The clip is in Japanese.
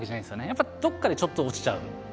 やっぱりどっかでちょっと落ちちゃう。